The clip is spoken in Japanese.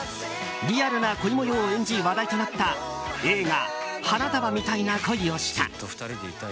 リアルな恋模様を演じ話題となった映画「花束みたいな恋をした」。